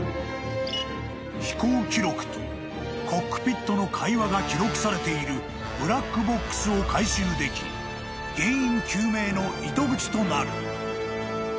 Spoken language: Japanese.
［飛行記録とコックピットの会話が記録されているブラックボックスを回収でき原因究明の糸口となる］